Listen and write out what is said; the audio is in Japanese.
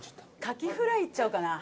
カキフライいっちゃおうかな。